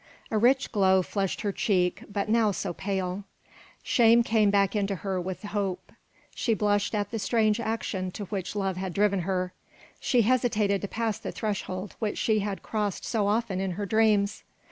A rich glow flushed her cheek but now so pale; shame came back to her with hope; she blushed at the strange action to which love had driven her; she hesitated to pass the threshold which she had crossed so often in her dreams.